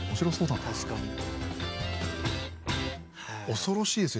恐ろしいですね